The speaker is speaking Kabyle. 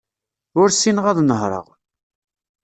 Ur ssineɣ ad nehreɣ.